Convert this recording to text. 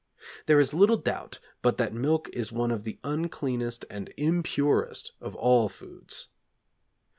There is little doubt but that milk is one of the uncleanest and impurest of all foods.